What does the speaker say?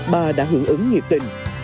bà đã hưởng ứng nghiệp tình